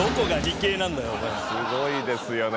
すごいですよね